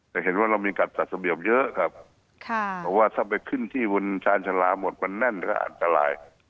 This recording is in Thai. แต่เห็นว่าเรามีการจัดระเบียบเยอะครับเพราะว่าถ้าไปขึ้นที่บนชาญชาลาหมดมันแน่นก็อันตราย